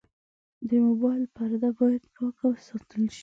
د موبایل پرده باید پاکه وساتل شي.